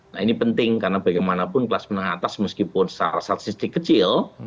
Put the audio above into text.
nah ini penting karena bagaimanapun kelas menengah atas meskipun secara statistik kecil